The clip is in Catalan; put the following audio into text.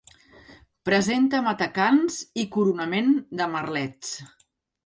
Presenta matacans i coronament de merlets.